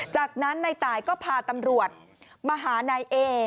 จากนั้นนายตายก็พาตำรวจมาหานายเอ